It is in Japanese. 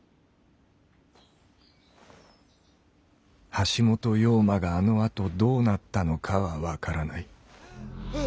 「橋本陽馬」があのあとどうなったのかは分からない。